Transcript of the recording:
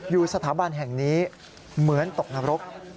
อยู่สถาบันแห่งนี้เหมือนตกนรก